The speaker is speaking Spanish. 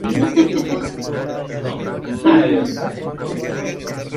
Misionero en Vietnam, obispo y vicario apostólico.